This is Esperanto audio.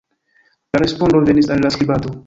La respondo venis el la skribado.